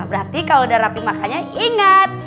berarti kalau udah rapi makannya ingat